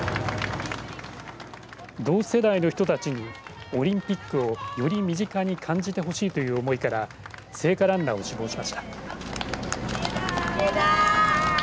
同世代の人たちにオリンピックをより身近に感じてほしいという思いから聖火ランナーを志望しました。